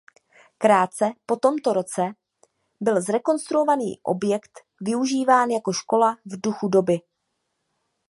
Krátce po tomto roce byl zrekonstruovaný objekt využíván jako škola v duchu doby.